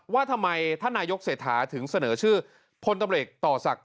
ว่าทำไมท่านนายกเศรษฐาถึงเสนอชื่อพลตำรวจต่อศักดิ